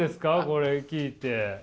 これ聞いて。